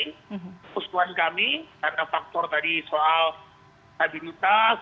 keputusan kami karena faktor tadi soal stabilitas